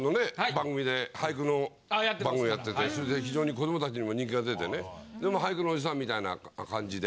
番組で俳句の番組をやっててそれで非常に子どもたちにも人気が出てね俳句のおじさんみたいな感じで。